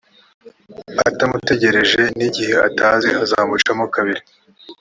atamutegereje n igihe atazi azamucamo kabiri